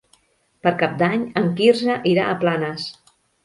Per Cap d'Any en Quirze irà a Planes.